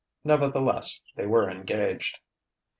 Nevertheless they were engaged.